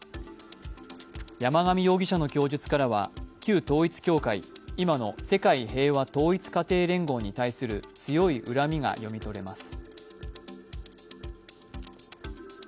山上容疑者の供述からは旧統一教会、今の世界平和統一家庭連合に対する強い恨みが読み取れます。